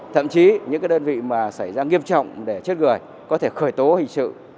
thậm chí những đơn vị mà xảy ra nghiêm trọng để chết người có thể khởi tố hình sự